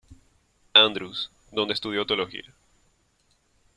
Andrews, donde estudió teología.